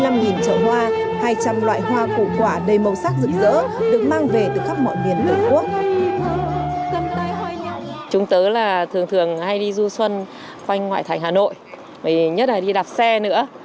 hai trăm linh loại hoa củ quả đầy màu sắc rực rỡ được mang về từ khắp mọi miền đất quốc